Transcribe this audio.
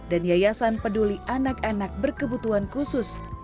dan yayasan peduli anak anak berkebutuhan khusus